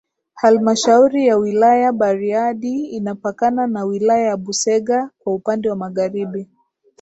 Halmashauri ya Wilaya Bariadi inapakana na Wilaya ya Busega kwa upande wa magharibi